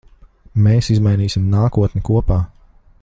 Mēs izmainīsim nākotni kopā.